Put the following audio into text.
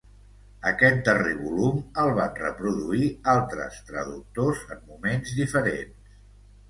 Aquest darrer volum el van reproduir altres traductors en moments diferents.